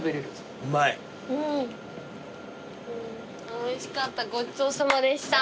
おいしかったごちそうさまでした。